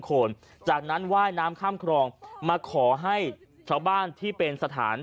โคนจากนั้นว่ายน้ำข้ามครองมาขอให้ชาวบ้านที่เป็นสถาน